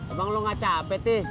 abang lo gak capek teh